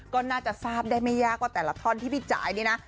ก็น่าจะทราบได้ไม่ยากว่าแต่ละท่อนที่พี่จ่ายนี่นะ